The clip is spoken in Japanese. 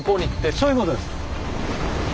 そういうことです。